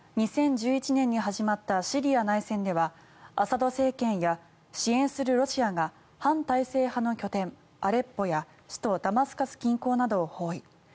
２０１１年に始まったシリア内戦ではアサド政権や支援するロシアが反体制派の拠点、アレッポや首都ダマスカス近郊などを包囲。